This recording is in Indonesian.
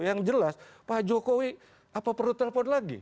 yang jelas pak jokowi apa perlu telepon lagi